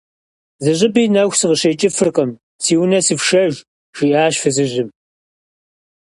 - Зыщӏыпӏи нэху сыкъыщекӏыфыркъым, си унэ сыфшэж, – жиӏащ фызыжьым.